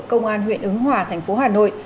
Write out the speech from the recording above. công an huyện ứng hòa thành phố hà nội